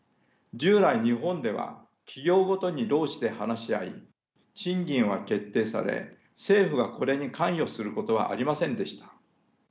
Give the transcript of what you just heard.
従来日本では企業ごとに労使で話し合い賃金は決定され政府がこれに関与することはありませんでした。